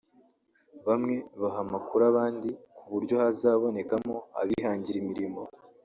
bamwe baha amakuru abandi ku buryo hazabonekamo abihangira imirimo